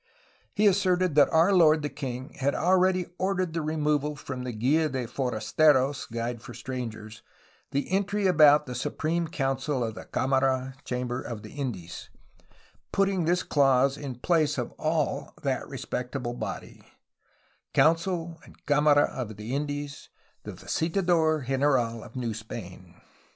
He asserted that our lord the king had already ordered the removal from the Gma de forasteros (Guide for strangers) [the entry about] the Supreme Council of the Camara (Chamber) of the Indies, put ting this clause in the place of all that respectable body : ^Council and Camara of the Indies — the visitador general of New Spain.'